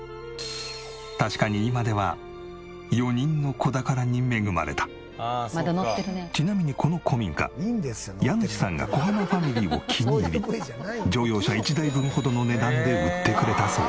確かに今ではちなみにこの古民家家主さんが小濱ファミリーを気に入り乗用車１台分ほどの値段で売ってくれたそう。